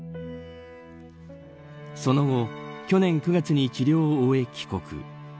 その後去年９月に治療を終え帰国。